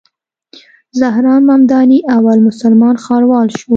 زهران ممداني اول مسلمان ښاروال شو.